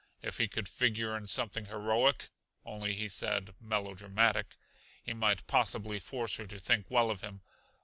If he could figure in something heroic only he said melodramatic he might possibly force her to think well of him.